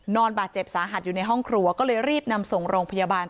นอนบาดเจ็บสาหัสอยู่ในห้องครัวก็เลยรีบนำส่งโรงพยาบาล